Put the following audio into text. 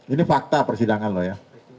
ini fakta persidangan loh ya